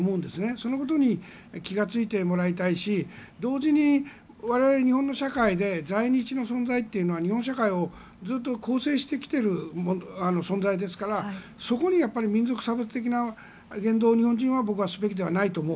そのことに気がついてもらいたいし同時に、我々日本の社会で在日の存在というのは日本社会をずっと構成してきている存在ですからそこに民族差別的な言動を日本人は僕はすべきではないと思う。